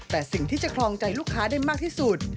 แต่สิ่งที่จะครองใจลูกค้าได้มากที่สุด